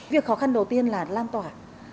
việc khó khăn đầu tiên là làm tòa